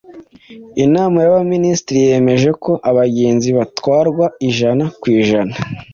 inama y’abaminisitiri yemeje ko abagenzi batwarwa ijana kw’ijana